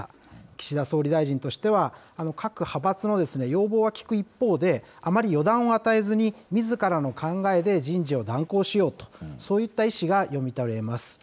岸田総理大臣としては、各派閥の要望は聞く一方で、余り予断を与えずに、みずからの考えで人事を断行しようと、そういった意思が読み取れます。